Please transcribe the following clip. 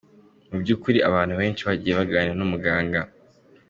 Mu by’ukuri abantu benshi bagiye baganira n’umuganga.